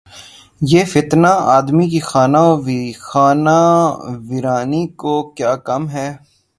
یہ فتنہ‘ آدمی کی خانہ ویرانی کو کیا کم ہے؟